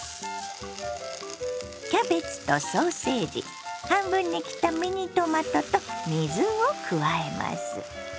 キャベツとソーセージ半分に切ったミニトマトと水を加えます。